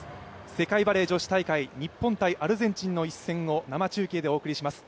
世界バレー女子大会日本×アルゼンチンの様子をお伝えします。